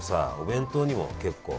弁当にも結構。